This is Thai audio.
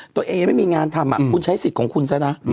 ตัวเองยังไม่มีงานทำคุณใช้สิทธิ์ของคุณซะนะ